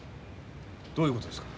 どういうことですか？